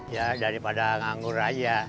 ya daripada anggur aja